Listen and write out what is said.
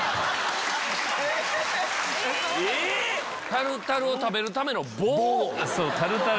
タルタルを食べるための棒⁉